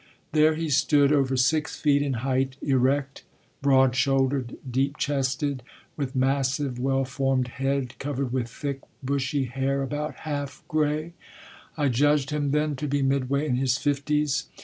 There he stood, over six feet in height, erect, broad shouldered, deep chested, with massive, well formed head, covered with thick, bushy hair, about half gray. I judged him then to be midway in his fifties.